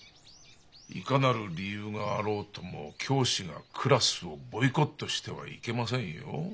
いかなる理由があろうとも教師がクラスをボイコットしてはいけませんよ。